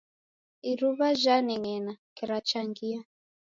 Iruw'a jhaneng'ena, kira changia.